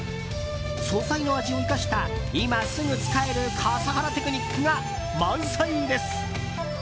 素材の味を生かした今すぐ使える笠原テクニックが満載です。